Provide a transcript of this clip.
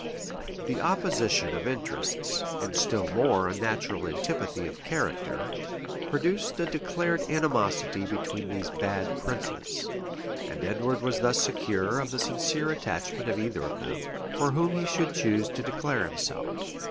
The opposition of interests, and still more a natural antipathy of character, produced a declared animosity between these bad princes; and Edward was thus secure of the sincere attachment of either of them, for whom he should choose to declare himself.